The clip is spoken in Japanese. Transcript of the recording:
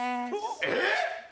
えっ！？